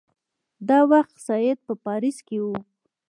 دا وخت سید په پاریس کې وو.